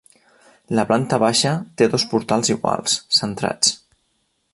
La planta baixa té dos portals iguals, centrats.